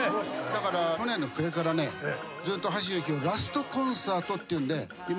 だから去年の暮れからねずっと橋幸夫ラストコンサートっていうんで今。